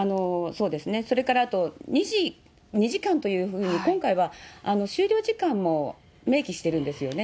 それからあと、２時間というふうに、今回は終了時間も明記してるんですよね。